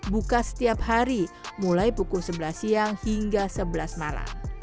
buka setiap hari mulai pukul sebelas siang hingga sebelas malam